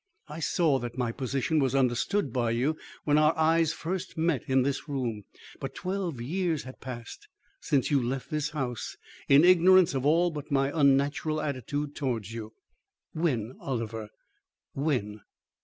I saw that my position was understood by you when our eyes first met in this room. But twelve years had passed since you left this house in ignorance of all but my unnatural attitude towards you. When, Oliver, when?"